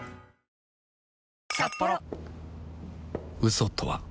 嘘とは